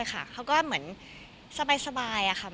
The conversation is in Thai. ใช่ค่ะเขาก็เหมือนสบายอะค่ะ